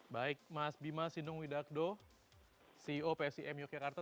baik mas bima sinung widakdo ceo psim yogyakarta